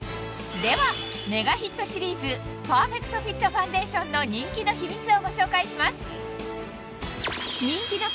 ではメガヒットシリーズパーフェクトフィットファンデーションの人気の秘密をご紹介します